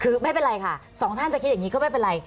คือไม่เป็นไรค่ะสองท่านจะคิดอย่างนี้ก็ไม่เป็นไร